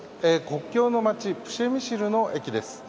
国境の町プシェミシルの駅です。